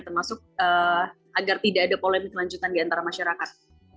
termasuk agar tidak ada polem kelanjutan di antara masyarakat